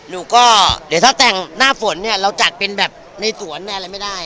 หนูก็เดี๋ยวถ้าแต่งหน้าฝนเนี่ยเราจัดเป็นแบบในสวนในอะไรไม่ได้